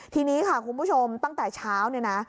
ทีนี้ค่ะคุณผู้ชมตั้งแต่เช้า